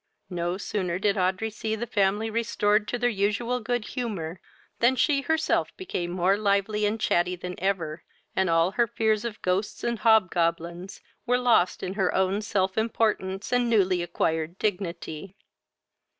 No sooner did Audrey see the family restored to their usual good humour, than she herself became more lively and chatty than ever, and all her fears of ghosts and hobgoblins were lost in her own self importance and newly acquired dignity.